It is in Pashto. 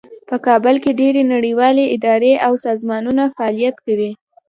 په کابل کې ډیرې نړیوالې ادارې او سازمانونه فعالیت کوي